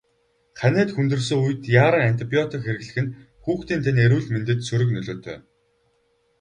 Ханиад хүндэрсэн үед яаран антибиотик хэрэглэх нь хүүхдийн тань эрүүл мэндэд сөрөг нөлөөтэй.